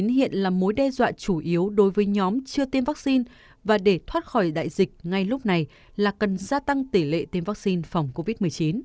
nhiều chuyên gia nhận định dịch covid một mươi chín hiện là mối đe dọa chủ yếu đối với nhóm chưa tiêm vaccine và để thoát khỏi đại dịch ngay lúc này là cần gia tăng tỷ lệ tiêm vaccine phòng covid một mươi chín